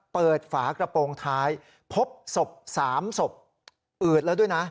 เปิดฝากระโปรงท้ายพบสบ๓สบอืดแล้วด้วยนะ